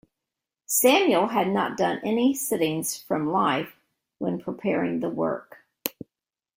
Samuel had not done any sittings from life when preparing the work.